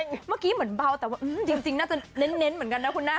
เมื่อกี้เหมือนเบาแต่ก็เหมือนเต็มเหมือนกันนะคุณนะ